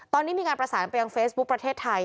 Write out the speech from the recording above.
ตอนนี้มีการประสานไปยังเฟซบุ๊คประเทศไทย